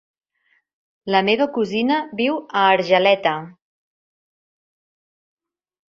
La meva cosina viu a Argeleta.